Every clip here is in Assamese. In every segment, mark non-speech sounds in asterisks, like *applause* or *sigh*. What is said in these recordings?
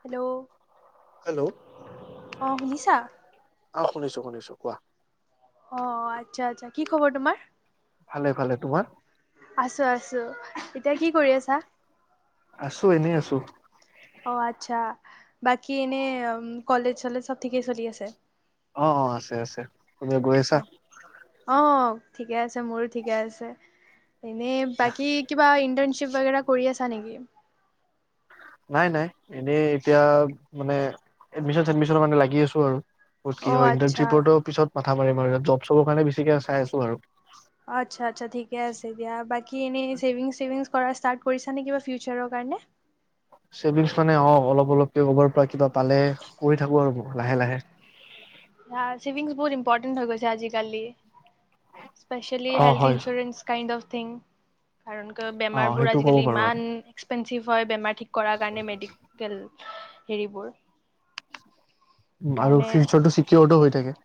হেল্ল'। হেল্ল'। অ' শুনিছা? অ' শুনিছো শুনিছো, কোৱা। অ' আচ্ছা আচ্ছা, কি খবৰ তোমাৰ? ভালে ভালে, তোমাৰ? আছো আছো। এতিয়া কি কৰি আছা আছো এনেই আছো। অ' আচ্ছা। বাকী এনে কলেজ-চলেজ চব ঠিকে চলি আছে? অ' অ' আছে আছে। তুমি গৈ আছা? অঁ ঠিকে আছে, মোৰো ঠিকে আছে। এনেই বাকী কিবা ইণ্টাৰ্ণশ্বিপ বাগেৰা কৰি আছা নেকি? নাই নাই, এনেই এতিয়া মানে, এডমিচন-চেডমিচৰ কাৰণে লাগি আছো আৰু। ক'ত কি অঁ হয় আচ্ছা ইণ্টাৰ্ণশ্বিপৰতো পিছত! মাথা মাৰিম আৰু জব চবৰ কাৰণে বেছিকে চাই আছোঁ আৰু। আচ্ছা! আচ্ছা! ঠিকে আছে দিয়া। বাকী এনেই ছেভিংছ, ছেভিংছ কৰা ষ্টাৰ্ট কৰিছা নে কিবা ফিউচাৰ কাৰণে? ছেভিংছ মানে, অ'! অলপ অলপকে কৰবাৰ পৰা কিবা পালে কৰি থাকোঁ আৰু লাহে লাহে। ছেভিংছ বহুত ইম্পৰ্টেণ্ট হৈ গৈছে আজিকালি। স্পেচিয়েলি অ হেল্থ হয় ইঞ্চুৰেন্স কাইণ্ড অফ্ *unintelligible* কাৰণ ক' অ বেমাৰবোৰ সেইটো ক'ব আজিকালি পাৰো আৰু ইমান একছেনচিফ হয় বেমাৰ। ঠিক কৰাৰ কাৰণে মেডিকেল হেৰিবোৰ। আৰু সেইকাৰণে ফিউচাৰটো চি কিয়ৰটো হৈ থাকে।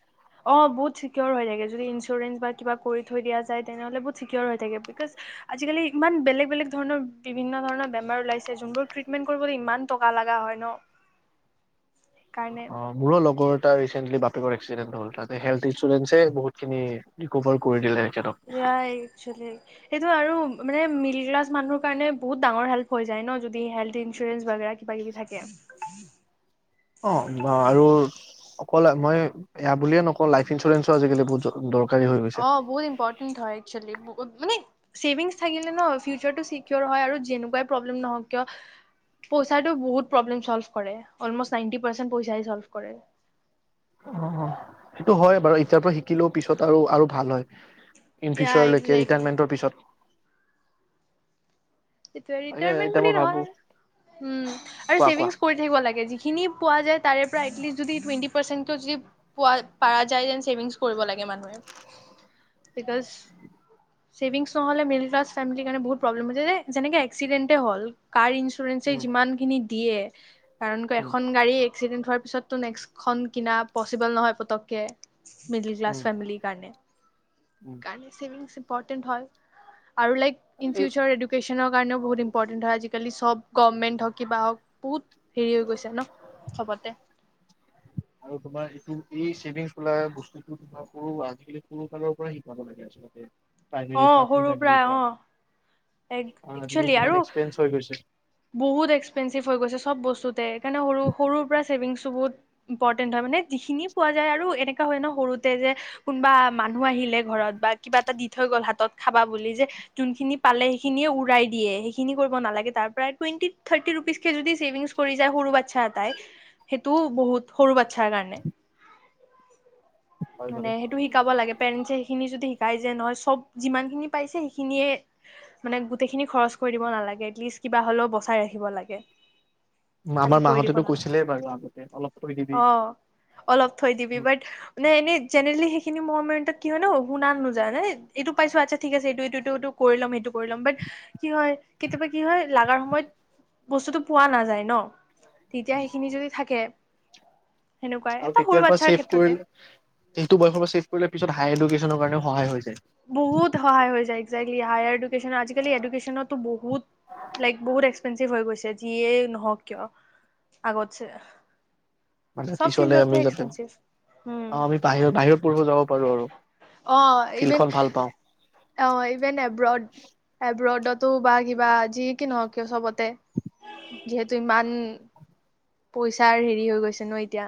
অ'! বহুত চিকিয়ৰ হৈ থাকে। যদি ইঞ্চুৰেঞ্চ বা কিবা কৰি থৈ দিয়া যায়, তেনেহলে বহুত চিকিয়ৰ হৈ থাকে। বিকজ আজিকালি ইমান বেলেগ, বেলেগ ধৰণৰ বিভিন্ন ধৰণৰ বেমাৰ ওলাইছে যোনবোৰ ট্ৰিটমেন্ট কৰিবলৈ ইমান টকা লগা হয় ন'! সেইকাৰণে অ'! মোৰো লগৰ এটা ৰিচেণ্টলি বাপেকৰ এক্সিডেণ্ট হ'ল। তাতে হেল্থ ইঞ্চুৰেঞ্চে বহুতখিনি ৰিকভাৰ কৰি দিলে। তেখেতক ইয়াই একচোৱেলি সেইটো আৰু মানে মিডল ক্লাছ মানুহৰ কাৰণে বহুত ডাঙৰ হেল্প হৈ যায় ন'। যদি, হেল্থ ইঞ্চুৰেঞ্চ বা কিবা কিবি থাকে। অ'! বা আৰু ক'লা মই এয়া বুলিয়ে নকওঁ। লাইফ ইঞ্চুৰেঞ্চো আজিকালি বহুত দৰকাৰ। অ'! বহুত ইম্পৰ্টেণ্ট হয়। একচুৱেলি মানে ছেভিংছ থাকিলে ন' ফিউচাৰটো চিকিঅৰ হয় আৰু যেনেকুৱাই প্ৰব্লেম নহওক কিয় পইচাটো বহুত চলভ কৰে। অলমষ্ট নাইটন্টি পাৰ্চেন্ট পইচাই চল্ভ কৰে। অ'! অ'! সেইটো হয় বাৰু। ইতিয়াৰ পৰা শিকিলেও পিছত আৰু আৰু ভাল হয়। ইন ইয়া ফিউচাৰলৈকে একজেক্টলি। ৰিটায়াৰমেন্টৰ পিছত সেইটোৱে, তাকে ৰিটায়াৰমেণ্ট এতিয়া বুলি মই ভাবো নহয়। উম, কোৱা কোৱা ছেভিংছ কৰি থাকিব লাগে, যিখিনি পোৱা যায়। তাৰে প্ৰাইদলি যদি টুৱেন্টি পাৰচেন্টত যদি পোৱা পাৰা যায় যেন, ছেভিংছ কৰিব লাগে মানুহে। ছেভিংছ নহ'লে মিডিল ক্লাছ ফেমিলিৰ কাৰণে বহুত প্ৰব্লেম হৈ যায়। যেনেকে এক্সিডেণ্টে হ'ল কাৰ ইন ইঞ্চুৰেঞ্চে উম যিমানখিনি দিয়ে। কাৰণ, ক উম এখন গাড়ী এক্সিডেণ্ট হোৱাৰ পিছতটো নেক্সট খন কিনা পচিবল নহয় পতককে। মিডল ক্লাছ উম ফেমিলি কাৰণে। উম *unintelligible* ইম্পৰ্টেণ্ট হয় আৰু লাইক ইন এই ফিউচাৰ এডু এডুকেশ্বনৰ কাৰণেও বহুত ইম্পৰ্টেণ্ট হয়। আজিকালি গভমেণ্ট হওঁক, কিবা হওঁক। হেৰি হৈ গৈছে ন' চবতে? আৰু তোমাৰ এইটো এই চেভিংছ বোলা বস্তুটো তোমাৰ সৰু আজিকালি সৰু কালৰ পৰা শিকাব লাগে আচলতে। অহ, সৰুৰ পৰা, অহ। অ আজি কালি যিমান এক্সপেৰিয়ঞ্চ হৈ গৈছে বহুত এক্সপেঞ্চিভ হৈ গৈছে সব বস্তুতে সেইকাৰণে সৰু সৰুৰ পৰা ছেভিংছো বহুত ইম্পৰ্টেন্ট হয় মানে, যিখিনি পোৱা যায় আৰু এনেকা হয় ন সৰুতে যে কোনবা মানুহ আহিলে ঘৰত বা কিবা এটা দি থৈ গ'ল হাতত খাবা বুলি যে যোনখিনি পালে সেইখিনিয়ে উৰাই দিয়ে, সেইখিনি কৰিব নালাগে তাৰ পৰা টুৱেন্টি থাৰ্টি ৰুপিচ কে যদি ছেভিংছ কৰি যায়, সৰু বাচ্ছা এটাই সেইটোও বহুত সৰু বাচ্ছাৰ কাৰণে। হয় বাৰু মানে সেইটো শিকাব লাগে পেৰেন্ছে সেইখিনি যদি শিকাই যে নহয় চব যিমানখিনি পাইছে সেইখিনিয়ে মানে গোটেইখিনি খৰচ কৰি দিব নালাগে এটলিষ্ট কিবা হ'লেও বচাই ৰাখিব লাগে। খালী আমাৰ মা কৰি দিব হতেও নালাগে কৈছিলেই বাৰু আগতে অলপ থৈ দিবি অ', ই জেনেৰেলি সেইখিনি মোৰ মানে কি হয় ন শুনা নোযায় ন এইটো পাইছো আচ্ছা ঠিক আছে এইটো এইটো এইটো এইটো কৰি ল'ম সেইটো কৰি ল'ম বাট কি হয় কেতিয়াবা কি হয় লাগাৰ সময়ত বস্তুটো পোৱা নাযায় ন! তেতিয়া সেইখিনি যদি থাকে সেনেকুৱাই আৰু এটা সৰু তেত্তিয়াৰ পৰা বাচ্ছাৰ চেফ ক্ষেত্ৰতে কৰি সেইটো বয়সৰ পৰা ছেভ কৰিলে পিছত হাই ইডুকেনৰ কাৰণে সহায় হৈছে বহুত সহায় হৈ যায় একজেক্টলি হায়াৰ ইডু নিছিনা আজিকালি এড'কেছনটো বহুত লাইক বহুত এক্সপেঞ্চিভ গৈছে, যিয়ে নহওক কিয় আগত্ছে। মানে চব পিছলে ফিল্ডতে আমি যাতে এক্সপেঞ্চিভ, হম, অ আমি বাহিৰত বাহিৰত পঢ়িব যাব পাৰো আৰু অ ইভেন ফিল্ডখন ভাল পাওঁ। অ ইভেন এব্ৰত এব্ৰতত তো বা কিবা যি কি নহও কিয় চবতে, যিহেতু ইমান পইচাৰ হেৰি হৈ গৈছে ন এতিয়া।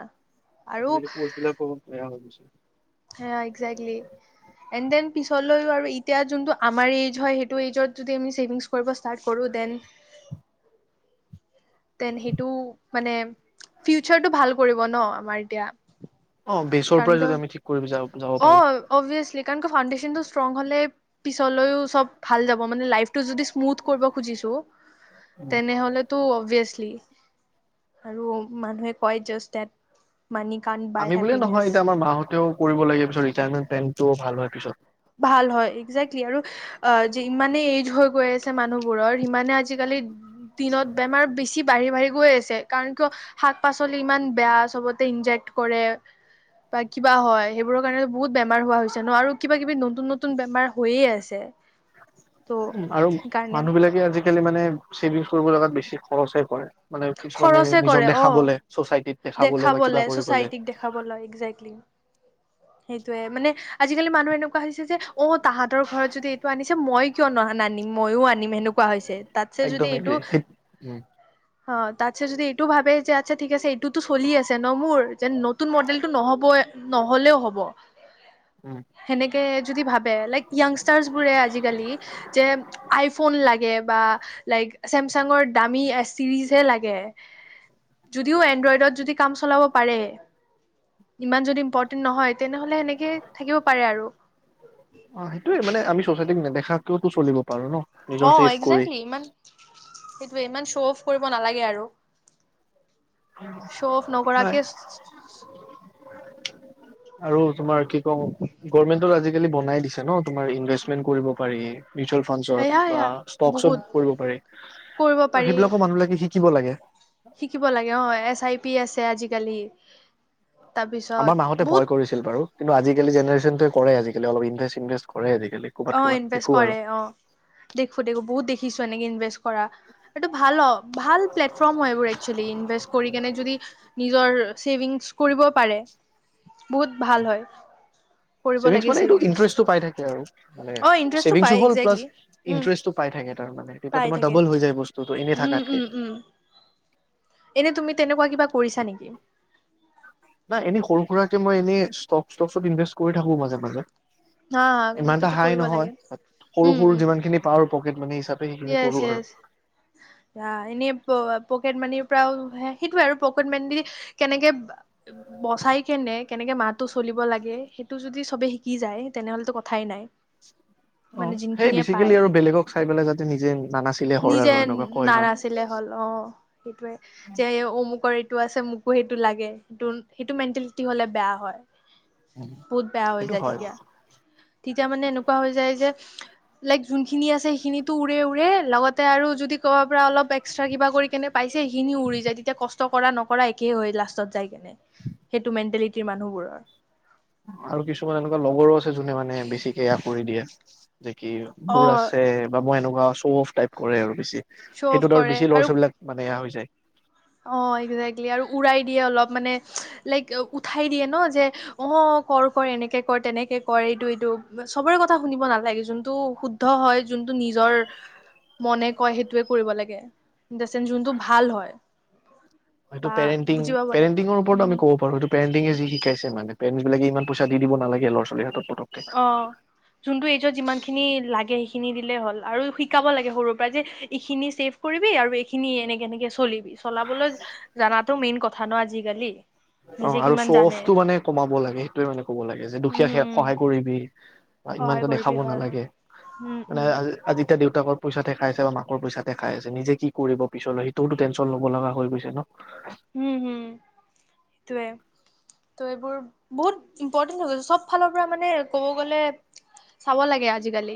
আৰু আজিকালি কৰ্চ বিলাকো বেয়া হৈ গৈছে। হা একজেক্লী, এন দেন পিছলৈও আৰু এতিয়া যোনটো আমাৰ এজ হয় সেইতো এজত যদি ছেভিংছ কৰিব ষ্টাৰ্ট কৰো দেন তেন সেইটো মানে ফিউচাৰটো ভাল কৰিব ন! আমাৰ এতিয়া অ বেচৰ কাৰণ পৰাই যদি কিয়, আমি ঠিক কৰি যাব যাব অ পাৰো। অব্যাছ্লী কাৰণ ক ফাউণ্ডেছ নতো ষ্ট্ৰং হলে পিছলৈও চব ভাল যাব মানে লাইফটো যদি স্মুথ কৰিব খুজিছো তেনেহলেতো অব্যাছ্ লী আৰু মানুহে কয় জাষ্ট দেট মানি কান্ত আমি বাই হেপ বুলিয়ে নহয় এতিয়া আমাৰ মা হঁতেও কৰিব লাগে পিছত ৰিটায়াৰমেন্ট প্লেনটো ভাল হয় পিছত। যে ইমানে এইজ হৈ গৈ আছে মানুহবোৰৰ, ইমানে আজিকালি দিনত বেমাৰ বেছি বাঢ়ি বাঢ়ি গৈ আছে। কাৰণ কিয় শাক পাচলি ইমান বেয়া চবতে ইন্জেকক্ত কৰে বা কিবা হয় সেইবোৰৰ কাৰণেটো বহুত বেমাৰ হোৱা হৈছে ন! আৰু কিবা কিবা কিবি নতুন নতুন বেমাৰ হৈয়ে আছে ত' উম আৰু সেইকাৰণে মানুহ বিলাকে আজিকালি মানে চেভিংছ কৰিব লগাত বেছি খৰচে কৰে মানে কিছুমানে খৰচে নিজক কৰে অ দেখাবলে চচাইটিত বা কিবা দেখাবলে কৰিবলে চচাইটিক দেখাবলৈ একজেক্টলি সেইটোৱে মানে আজিকালি মানুহ এনেকুৱা হৈছে যে অ তাহাঁতৰ ঘৰত যদি এইটো আনিছে মই কিয় ন নানিম মইও আনিম সেনেকুৱা হৈছে তাতছে একদম যদি এইটো এগ্ৰী। উম অ তাৰছে যদি এইটো ভাবে যে আচ্ছা ঠিক আছে এইটোতো চলি আছে ন মোৰ যে নতুন মডেলটো নহব নহলেও হব উম সেনেকে যদি ভাবে লাইক য়াংষ্টাৰছবোৰে আজিকালি যে আইফোন লাগে বা লাইক ছেমচাঙৰ দামী এছ চিজহে লাগে যদিও এনড্ৰইডত যদি কাম চলাব পাৰে ইমান যদি ইম্পৰ্টেন্ট নহয় তেনেহলে সেনেকে থাকিব পাৰে আৰু *unintelligible* তো চলিব পাৰো ন নিজৰ অ ছেভ কৰি একজেক্টলি ইমান ইমান শ্ব' অফ কৰিব নালাগে আৰু শ্ব অফ নাই নকৰাকে আৰু তোমাৰ কি কওঁ গৰমেন্টত আজিকালি বনাই দিছে ন তোমাৰ ইনভেষ্টমেন্ট কৰিব পাৰি মিউচুৱেল এয়া ফাণ্ডছত এয়া বা বহুত ষ্টকচত পৰি পাৰি কৰিব ত' পাৰি সেইবিলাকো মানুহবিলাকে শিক শিকিব লাগে চাই পি আছে আজিকালি তাৰপিছত আমাৰ মা হতে বহুত ভয় কৰিছিল বাৰু কিন্তু আজি আজিকালি জেনেৰেচনটোৱে কৰে আজিকালি অলপ ইনভেষ্ট ইনভেষ্ট কৰে আজিকালি ক'ৰবাত অ ক'ৰবাত ইনভেষ্ট দেখো কৰে আৰু অ দেখো দেখো বহুত দেখিছো এনেকে ইনভেষ্ট কৰা এইটো ভাল অ ভাল প্লেটফৰ্ম হয় এইবোৰ একচুৱেলি ইনভেষ্ট কৰি কেনে যদি নিজৰ ছেভিংছ্ কৰিব পাৰে বহুত ভাল হয় কৰিব চেভিংছ লাগে মানে এইটো ছেভিংছ ইন্টাৰেষ্টটো পাই থাকে আৰু মানে অ ইণ্টাৰেষ্টটো পায় চছেভিংছো হ'ল প্লাছ একজেক্টলি উম ইণ্টাৰেষ্টটো পাই থাকে তাৰ মানে তেতিয়া পাই তোমাৰ থাকে ডাবল হৈ যায় বস্তুটো এনেই উম থাকাতকে উম উম এনে তুমি তেনুকা কিবা কৰিছা নিকি নাই এনেই সৰু সুৰাকে মই এনেই ষ্টক ষ্টকত ইনভেষ্ট কৰি থাকো মাজে মাজে হা ইমান এটা সেইটোতো হাই কৰিব লাগে নহয় সৰু সৰু যিমান খিনি পাওঁ পকেট মানি হিচাপ ইয়েচ ইয়েচ ৱা এনে পঅ পকেট মানি পৰাও সেইটোয়ে আৰু প্ৰকেট মানি দি কেনেকে বচাই কেনে কেনেকে মাহটো চলিব লাগে সেইটো যদি সবে শিকি যায় তেনেহ'লেতো কথাই নাই অ মানে সেই যোনখিনিয়ে পায় বেচিকেলি আৰু বেলেগক চাই পেলাই যা নিজে নাৰাছিলে হ'ল অ সেইটোৱে যে অম মোক এইটো আছে মোকো সেইটো লাগে সেইটো সেইটো মেন্টেলিটি হ'লে বেয়া হয়। উম বহুত বেয়া হৈ সেইটো যায় হয় তেতিয়া তেতিয়া মানে এনেকুৱা হৈ যায় যে। লাইক যোনখিনি আছে সেইখিনিত উৰে উৰে লগতে আৰু যদি ক'ব পৰা অলপ এক্সট্ৰা কিবা কৰি কেনে পাইছে সেইখিনি উৰি যায় তেতিয়া কষ্ট কষ্ট কৰা নকৰা একেই হয় লাষ্টত যায় কেনে সেইটো মেণ্টেলিটিৰ মানুহবোৰৰ আৰু কিছুমান এনেকুৱা লগৰো আছে যোনে মানে বেছিকেয়া কৰি দিয়ে যে কি অ বোৰ আছে বা মই এনেকুৱা আছো শ অফ টাইপ কৰে আৰু বেছি শ্ব' অফ সেইটোত ধৰ আৰু কৰে বেছি ল'ৰা ছোৱালীবিলাক মানে এয়া হৈছে *unintelligible* অ একজেক্টলি আৰু উৰাই দিয়ে অলপ মানে লাইক উঠাই দিয়ে ন যে অ কৰ কৰ এনেকে কৰ তেনেকে কৰ এইটো এইটো চবৰে কথা শুনিব নালাগে যোনটো শুদ্ধ হয় যোনটো নিজৰ মনে কয় সেইটোোৱে কৰিব লাগে যোনটো ভাল হয় হয়টো বা পৰেণতিং বুজি পাব লাগে পেৰেণতিং ওপৰতো আম উম কব পাৰো স পে য শিকাইছে মানে *unintelligible* বিলাক ই পইা দি দিব নালাগে লৰা ছোৱালীৰ হাতত পতককে অ যোনটো এজত যিমান যখিনি লাগে সেইখিনি দিলেই হ'ল আৰু শিকাব লাগে সৰুৰ পৰা যে এইখিনি চেভ কৰিবি আৰু এইখিনি এনেকে এনেকৈ চলি চলাবলৈ জানাত টো মেইন কথা ন আজিকালি অ নিজে আৰু কিমান জানে চফটো মানে কমাব লাগে সেইটোয়ে মানে ক'ব লাগে যে দুখীয়া উম, উম, সহায় কৰিবি বা সহায় ইমানটা দেখাব কৰিবি হয়, হয়। নালাগে উম, মানে উম, আ আজি এতিয়া দেউতাকৰ পইচা দেখাই আছে বা মাকৰ পইচা দেখাই আছে নিজে কি কৰিব পিছলৈ সেইটোও টেনচন ল'ব লগা হৈ গৈছে ন উ হ সেইটোৱেত এইবোৰ বহুত ইম্পৰ্টেন্ট হৈ গৈছে চব ফালৰ পৰা মানে কব গলে চাব লাগে আজিকালি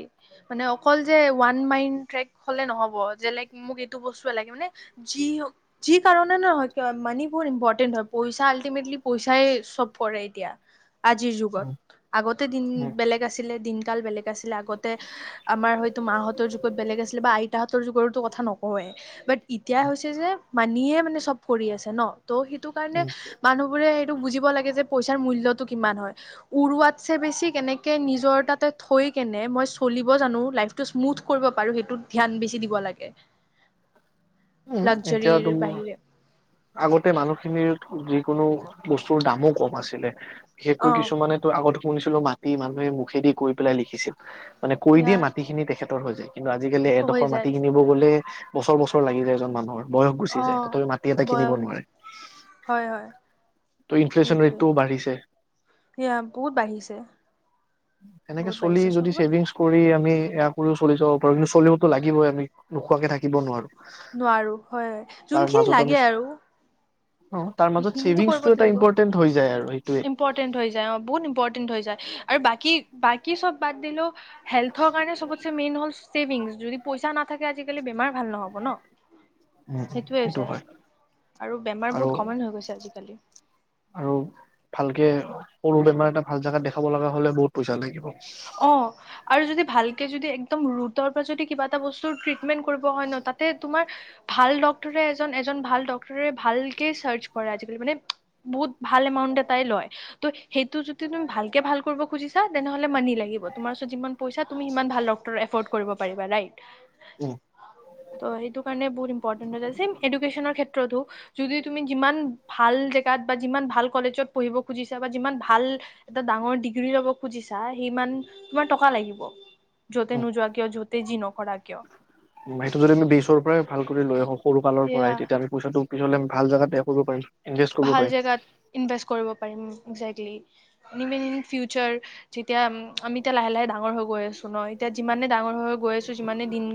মানে অকল যে ওৱান মাইন ট্ৰেক হলে নহব যে লাইক মোক এইটো বস্তুৱে লাগে মানে যি যি কাৰণে নহ মানি বুত ইম্পৰ্টেন্ট হয় পইচা আল্টিমেটলি পইচাই চব কৰে এতিয়া আজিৰ যুগত উম আগতে দিন উম বেলেগ আছিলে দিন *unintelligible* বেলেগ আছিলে আগতে আমাৰ হয়তো মাহঁতৰ যুগত বেলেগ আছিলে বা আইতাহঁতৰ যুগৰতো কথা নকৱেই বাট এতিয়া হৈছে যে মানিয়ে মানে চব কৰি আছে ন ত' সেইটো কাৰণে উম মানুহবোৰে বুজিব লাগে যে পইচাৰ মূল্যটো কিমান হয় উৰুৱাতছে বেছি কেনেকে নিজৰ তাতে থৈ কেনে মই চলিব জানো লাইটো স্মুথ কৰিব পাৰো সেইটোত ধান বেছি দিব লাগে উম এতিয়া তম লাগজাৰীৰ বাহিৰে আগতে মানুহখিনিৰ যিকোনো বস্তুৰ দামো কম আছিলে অ বিশেষকৈ কিছুমানেতো আগত শুনিছিলো মানে মানুহে মুখেদি কৈ পেলাই লিখিছিল মানে কৈ সেয়া দিয়ে মাটিখিনি তেখেত উতৰ হৈ যায় কিন্তু আজিকালি হৈ এডোখৰ মাটি যায় কিনিব গ'লে। বছৰ বছৰ। লাগি যায় এজন মানুহৰ। বয়স গুচি অ যায় তথাপি মাটি এটা কিনিব বয়স নোৱাৰে। হয় হয় ত' ইনফ্লেচন সেইটোৱে ৰেটটোও বাঢ়িছে এয়া বহুত বাঢ়িছে। সেনেকে বহুত চলি বাঢ়িছে যদি চবত ছেভিংছ কৰি। আমি এয়া কৰিও চলি যাব পাৰো কিন্তু চলিবতো লাগিবই আমি নোখোৱাকে থাকিব নোৱাৰো। নোৱাৰো হয় হয় তাৰ যোনখিনি মাজত আমি লাগে আৰু। অ তাৰ মাজত সেইখিনো কৰিব ছেভিংছটো তো এটা লাগিব ইম্পৰ্টেন্ট হৈ যায় আৰু সেইটোৱে ইম্পৰ্টেন্ট হৈ যায় অ বহুত ইম্পৰ্টেন্ট হৈ যায় আৰু বাকী। বাকী চব বাদ দিলো। হেল্থৰ কাৰণে চবতে মেইন হ'ল। ছেভিংছ যদি পইচা নাথাকে আজিকালি বেমাৰ। ভাল নহ'ব ন উম উম সেইটোৱে সেইটো হৈছে হয় আৰু বেমাৰ আৰু বহুত। কমন হৈ গৈছে আজিকালি। আৰু ভালকে সৰু বেমাৰ এটা ভাল জোগাত দেখাব লগা হলে বহুত। পইচা লাগিব অঁ। আৰু যদি। ভালকে যদি একদম ৰৰুটৰ পৰা যদি কিবা এটা বস্তুৰ ট্ৰিটমেন্ট কৰিব হয় ন তাতে তুমাৰ ভাল ডক্টৰে এজন এজন ভাল ডক্টৰে ভালকে চাৰ্চ কৰে আজিকালি মানে বহুত ভাল এমাউন্ট এটাই লয় ত সেইটো যদি তুমি ভালকে ভাল কৰিব খুজিছা। তেনেহ'লে মানি লাগিব তোমাৰ ওৰত যিমান পইচা তুমি সিমান ভাল ডক্তৰ এফ। এফৰ্ট কৰিব পাৰিবা ৰাইট। উম ত সেইটো কাৰণে বহুত ইম্পৰ্টেন্ এডুকেচনৰ ক্ষেত্ৰতো। যদি তুমি যিমান ভাল জেগাত বা যিমান ভাল কলেজত পঢ়িব খুজিছা বা যিমান ভাল এটা ডাঙৰ ডিগ্ৰী ল'ব। খুজিছা সিমান তোমাৰ টকা লাগিব। য'তে উম, নোযোৱা কিয় য'তে যি নকৰা কিয় সেইটো যদি আমি বচৰ পৰাই ভাল কৰি লৈ আহ। সৰু কালৰ পৰাই সেয়া তেতিয়া আমি পইচাটো। পিছলে ভাল জাগাত ট্ৰায় কৰিব পাৰিম। ইনভেষ্ট কৰিব ভাল পাৰিম জেগাত ইনভেষ্ট কৰিব পাৰিম। তিয়া আমি এতিয়া লাহে লাহে ডাঙৰ হৈ গৈ আছো ন এতিয়া যিমানে ডাঙৰ হৈ গ। গৈ আছো সিমানে দিন।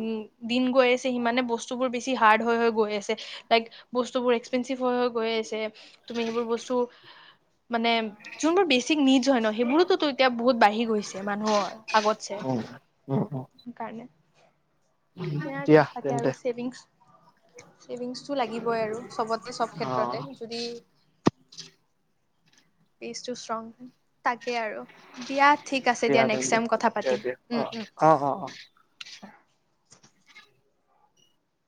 দিন গৈ আছে সিমানে বস্তুবোৰ বেছি হাৰ্ড হৈ গৈ আছে লাইক বস্তুবোৰ এক্সপেঞ্চিভ হৈ হৈ গৈ আছে।। তুমি সেইবোৰ বস্তু মানে যোনবোৰ বেছি। নিজ হয় ন সেইবোৰো এতিয়া বহুত বাঢ়ি। গৈছে মানুহৰ আগতছে উম উম উম কাৰণে সেয়া দিয়া তাকে আৰু তেন্তে ছেভিংছ ছেভিংছটো লাগিবই আৰু চবতে চব অ ক্ষেত্ৰতে যদি বেচটো ষ্ট্ৰং হয় তাকে আৰু দিয়াত দিয়া দে দে দিয়া দিয়া অ অ অ অ